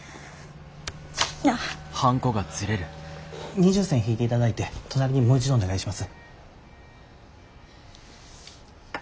二重線引いていただいて隣にもう一度お願いします。